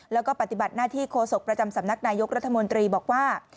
แล้วก็ปฏิบัติหน้าที่โฆษกประจำสำนักนายกรัฐมนตรีบอกว่า